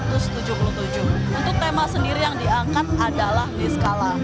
untuk tema sendiri yang diangkat adalah niskala